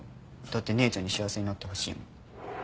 だって姉ちゃんに幸せになってほしいもん。